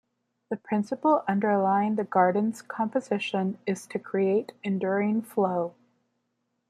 The principle underlying the garden's composition is to create enduring flow.